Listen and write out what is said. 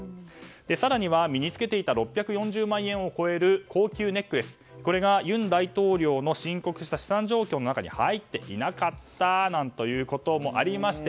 更には身に付けていた６４０万円を超える高級ネックレスが尹大統領の申告した資産状況の中に入っていなかったということもありました。